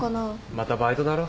またバイトだろ。